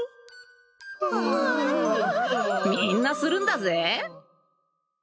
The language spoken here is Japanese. みんなするんだぜ。